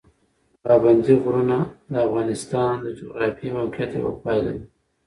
پابندي غرونه د افغانستان د جغرافیایي موقیعت یوه پایله ده.